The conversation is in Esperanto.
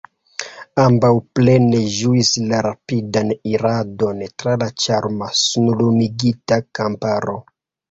Ambaŭ plene ĝuis la rapidan iradon tra la ĉarma, sunlumigita kamparo.